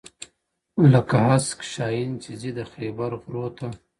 لکه هسک شاهین چې ځي د خیبر غرو ته